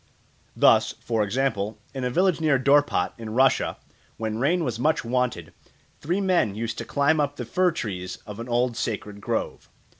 Thus, for example, in a village near Dorpat, in Russia, when rain was much wanted, three men used to climb up the fir trees of an old sacred grove.